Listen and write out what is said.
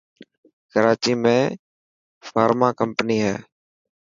ڪراچي ۾ فارمان ڪمپني هي.